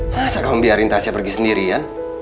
masa kamu biarin tasya pergi sendiri ya